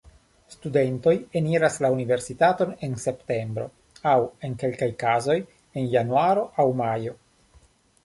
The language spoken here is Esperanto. Studentoj eniras la universitaton en septembro, aŭ, en kelkaj kazoj, en januaro aŭ majo.